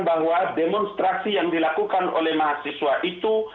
bahwa demonstrasi yang dilakukan oleh mahasiswa itu